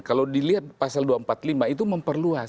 kalau dilihat pasal dua ratus empat puluh lima itu memperluas